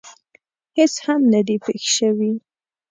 هېڅ هم نه دي پېښ شوي.